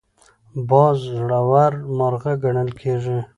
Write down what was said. باز زړور مرغه ګڼل کېږي